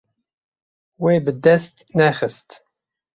Wê bi dest nexist.